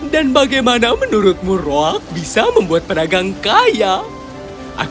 dan bagaimana menurutmu roak bisa membuat pedagang kaya